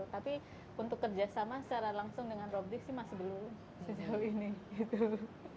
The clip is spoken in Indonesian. tapi untuk kerja sama secara langsung dengan robries sih masih belum sejauh ini gitu